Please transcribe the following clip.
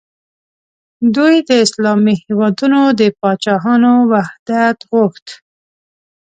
دوی د اسلامي هیوادونو د پاچاهانو وحدت غوښت.